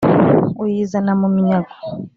uyizana mu minyago.